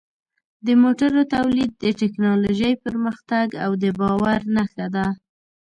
د موټرو تولید د ټکنالوژۍ پرمختګ او د باور نښه ده.